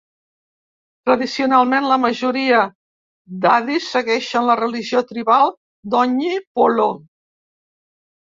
Tradicionalment, la majoria d'Adis segueixen la religió tribal Donyi-Polo.